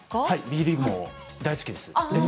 はいＢリーグも大好きです。